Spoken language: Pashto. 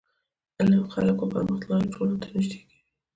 علم خلک و پرمختللو ټولنو ته نژدي کوي.